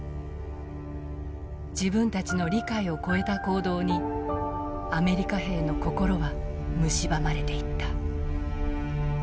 自分たちの理解を超えた行動にアメリカ兵の心はむしばまれていった。